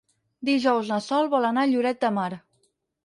Dijous na Sol vol anar a Lloret de Mar.